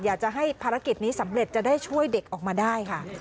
อยากจะให้ภารกิจนี้สำเร็จจะได้ช่วยเด็กออกมาได้ค่ะ